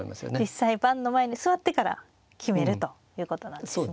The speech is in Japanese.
実際盤の前に座ってから決めるということなんでしょうね。